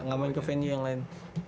ya saya gak main ke venue yang lain